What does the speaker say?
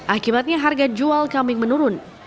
akibatnya harga jual kambing menurun